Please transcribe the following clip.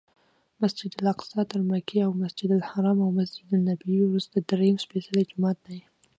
مسجدالاقصی تر مکې او مسجدالحرام او مسجدنبوي وروسته درېیم سپېڅلی جومات دی.